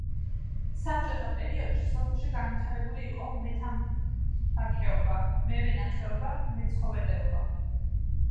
საბჭოთა პერიოდში სოფელში განვითარებული იყო მეთამბაქოეობა, მევენახეობა, მეცხოველეობა.